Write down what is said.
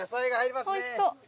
おいしそう。